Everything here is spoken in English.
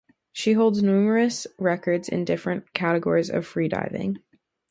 She holds numerous records in different categories of free diving.